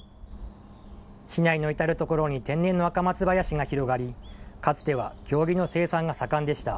市内の至る所に天然のアカマツ林が広がり、かつては経木の生産が盛んでした。